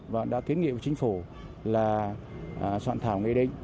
và đã kiến nghị của chính phủ là soạn thảo nghề định